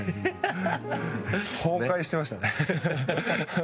崩壊してましたね。